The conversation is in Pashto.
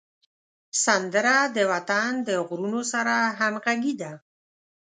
سندره د وطن د غرونو سره همږغي ده